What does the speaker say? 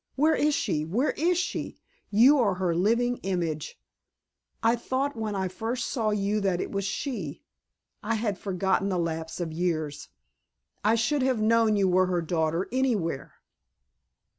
Where is she? Where is she? You are her living image. I thought when I first saw you that it was she. I had forgotten the lapse of years. I should have known you were her daughter anywhere!"